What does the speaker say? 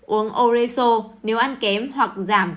uống oresol nếu ăn kém hoặc giảm